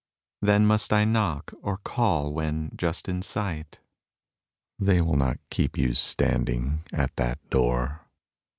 Then must I knock, or call when just in sight? They will not keep you standing at that door.